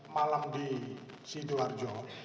malam di sidoarjo